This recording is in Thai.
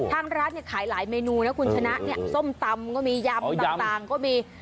ทางร้านเนี่ยขายหลายเมนูนะคุณชนะเนี่ยส้มตำก็มียำต่างก็มี